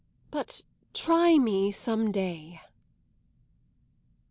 But try me some day."